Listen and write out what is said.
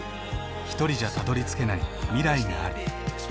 ひとりじゃたどりつけない未来がある。